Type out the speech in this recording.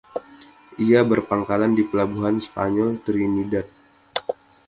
Ia berpangkalan di Pelabuhan Spanyol, Trinidad.